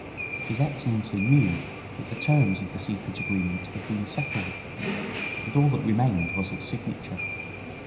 His Excellency knew that the terms of the secret agreement had been settled, and all that remained was its signature.